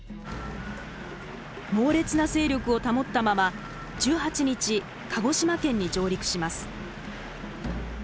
猛烈な勢力を保ったまま１８日鹿児島県に上陸します。